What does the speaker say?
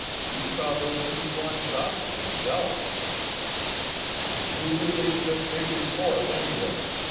He saw those two flying saucers himself." "And who released this big report, anyway?"